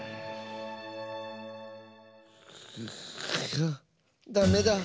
ぐダメだ。